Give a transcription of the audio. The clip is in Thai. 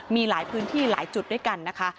มีหลายพื้นที่หลายจุดด้วยกันนะคะ